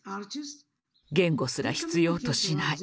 言語すら必要としない。